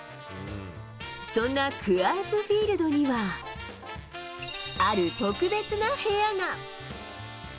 そんなクアーズフィールドには、ある特別な部屋が。